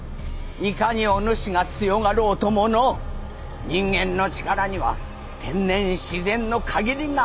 いかにおぬしが強がろうともの人間の力には天然自然の限りがあるてや。